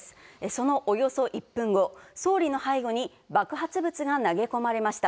そのおよそ１分後、総理の背後に爆発物が投げ込まれました。